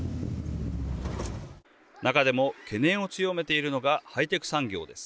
中でも懸念を強めているのがハイテク産業です。